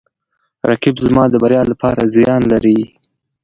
رقیب زما د بریا لپاره زیان لري